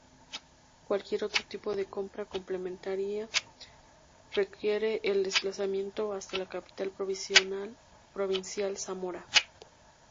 Cualquier otro tipo de compra complementaria, requiere el desplazamiento hasta la capital provincial, Zamora.